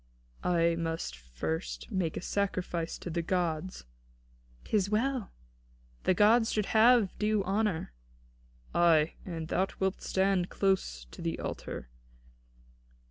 "I must first make a sacrifice to the gods." "'Tis well. The gods should have due honour." "Ay, and thou wilt stand close to the altar."